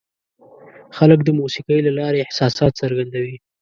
خلک د موسیقۍ له لارې احساسات څرګندوي.